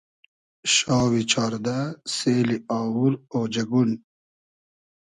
شاوی چاردۂ سېلی آوور اۉجئگون